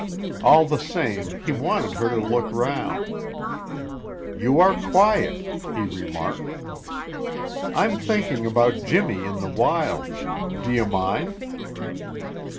All the same, he wanted her to look round. "You are quiet," he remarked. "I'm thinking about Jimmy in the wilds. Do you mind?"